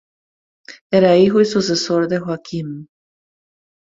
Era hijo y sucesor de Joaquim.